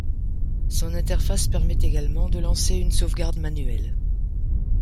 Son interface permet également de lancer une sauvegarde manuelle.